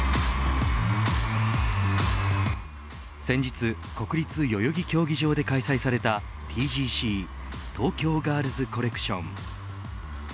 先日、国立代々木競技場で開催されたＴＧＣ東京ガールズコレクション。